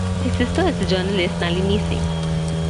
His sister is the journalist Nalini Singh.